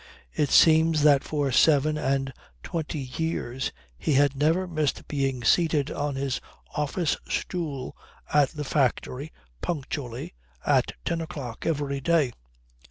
It seems that for seven and twenty years he had never missed being seated on his office stool at the factory punctually at ten o'clock every day.